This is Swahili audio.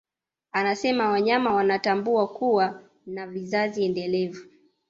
Anasema wanyama wanatambua kuwa na vizazi endelevu